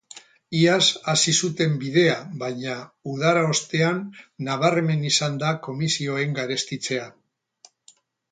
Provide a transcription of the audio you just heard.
Iaz hasi zuten bidea baina, udara ostean nabarmen izan da komisioen garestitzea.